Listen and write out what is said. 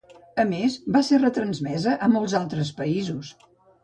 A més, va ser retransmesa a molts altres països.